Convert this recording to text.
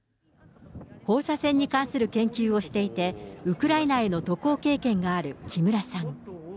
放射線に関する研究をしていて、ウクライナへの渡航経験がある木村さん。